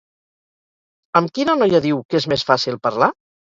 Amb quina noia diu que és més fàcil parlar?